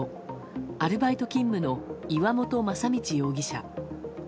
アルバイト勤務の岩本正道容疑者。